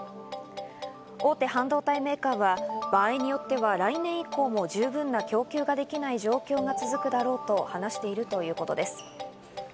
大手半導体メーカーは場合によっては来年以降も十分な供給ができない状況が続くだろうと話しているということです。